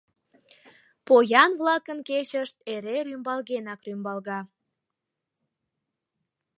Поян-влакын кечышт эре рӱмбалгенак рӱмбалга.